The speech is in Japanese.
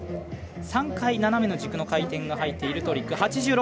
３回斜めの軸の回転が入っているトリック。